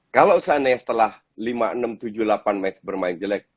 kalau seandainya setelah lima enam tujuh delapan match bermain jelek